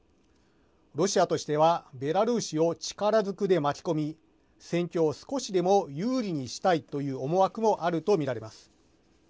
ロシアとしてはベラルーシを力ずくで巻き込み戦況を少しでも有利にしたいという思惑もあると見られます。